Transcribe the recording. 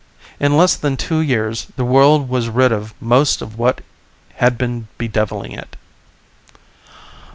In less than two years the world was rid of most of what had been bedeviling it.